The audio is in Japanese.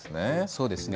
そうですね。